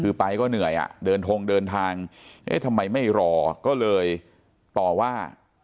คือไปก็เหนื่อยอ่ะเดินทงเดินทางเอ๊ะทำไมไม่รอก็เลยต่อว่า